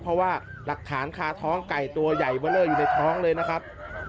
เพราะว่าหลักฐานคาท้องไก่ตัวใหญ่เบอร์เลอร์อยู่ในท้องเลยนะครับ